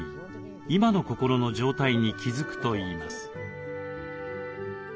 今の心の状態に気付くといいます。